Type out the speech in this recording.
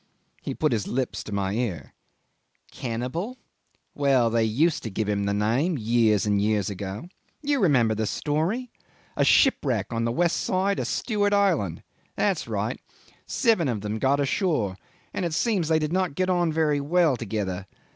He put his lips to my ear. "Cannibal? well, they used to give him the name years and years ago. You remember the story? A shipwreck on the west side of Stewart Island; that's right; seven of them got ashore, and it seems they did not get on very well together.